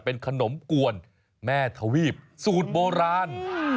เป็นขนมกวนแม่ทวีปสูตรโบราณ